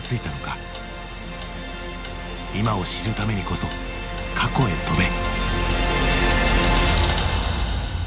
今を知るためにこそ過去へ飛べ。